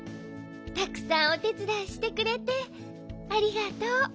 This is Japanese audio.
たくさんおてつだいしてくれてありがとう。